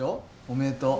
おめでとう。